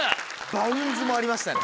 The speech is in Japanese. バウンズもありましたね。